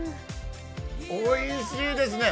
おいしいですね。